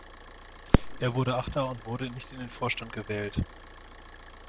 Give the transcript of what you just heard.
Er wurde achter und wurde nicht in den Vorstand gewählt.